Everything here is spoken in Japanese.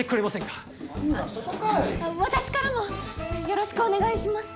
私からもよろしくお願いします！